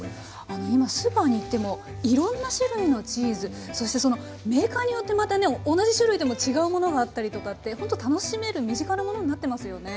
あの今スーパーに行ってもいろんな種類のチーズそしてそのメーカーによってまたね同じ種類でも違うものがあったりとかってほんと楽しめる身近なものになってますよね。